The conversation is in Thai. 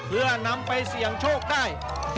เพื่อนำไปเสี่ยงโชคได้